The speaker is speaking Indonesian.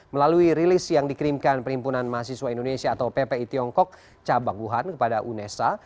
melalui rilis yang dikirimkan perhimpunan mahasiswa indonesia atau ppi tiongkok cabang wuhan kepada unesa